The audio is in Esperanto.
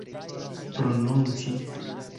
prononci